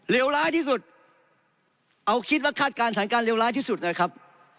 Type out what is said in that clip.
ร้ายที่สุดเอาคิดว่าคาดการณสถานการณ์เลวร้ายที่สุดนะครับ